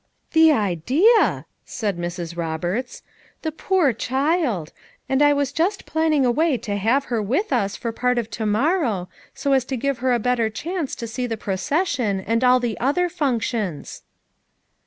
"The ideal" said Mrs. Roberts. "The poor child! and I was just planning a way to have FOUR MOTHERS AT CHAUTAUQUA 251 her with us for part of to morrow, so as to give her a better chance to see the procession, and all the other functions."